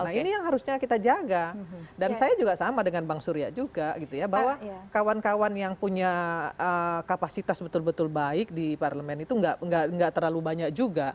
nah ini yang harusnya kita jaga dan saya juga sama dengan bang surya juga gitu ya bahwa kawan kawan yang punya kapasitas betul betul baik di parlemen itu nggak terlalu banyak juga